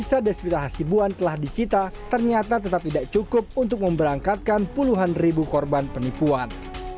sadh sibuan telah disita ternyata tetap tidak cukup untuk memberangkatkan puluhan ribu korban penipuan